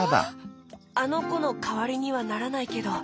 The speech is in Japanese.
あのこのかわりにはならないけど。